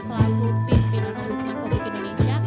selaku pimpinan pemerintah publik indonesia